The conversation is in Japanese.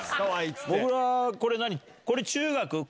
もぐらこれ中学？